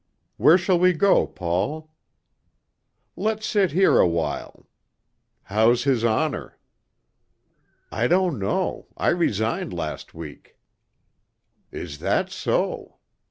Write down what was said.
"Where shall we go, Paul?" "Let's sit here a while. How's his Honor." "I don't know. I resigned last week." "Is that so?"